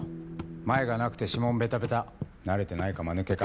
マエがなくて指紋ベタベタ慣れてないか間抜けか。